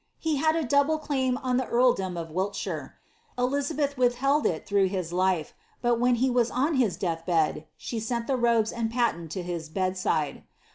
He had a double claim on the earldom of Wiltahire. ithheld it through his life, but when he waa on his death t the robes and patent to his bed side.